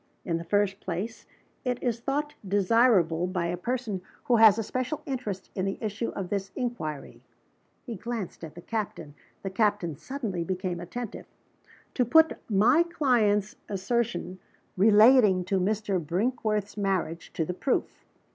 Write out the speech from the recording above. In the first place, it is thought desirable, by a person who has a special interest in the issue of this inquiry" (he glanced at the captain the captain suddenly became attentive), "to put my client's assertion, relating to Mr. Brinkworth's marriage, to the proof.